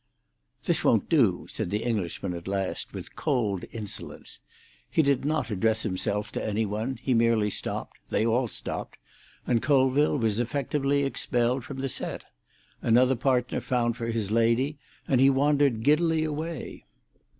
"This won't do," said the Englishman at last, with cold insolence. He did not address himself to any one; he merely stopped; they all stopped, and Colville was effectively expelled the set; another partner was found for his lady, and he wandered giddily away.